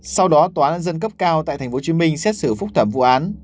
sau đó tòa án dân cấp cao tại tp hcm xét xử phúc thẩm vụ án